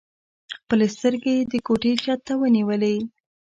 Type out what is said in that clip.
خپلې سترګې يې د کوټې چت ته ونيولې.